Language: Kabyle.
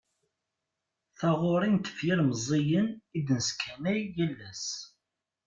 Taɣuri n tefyar meẓẓiyen i d-nesskanay yal ass.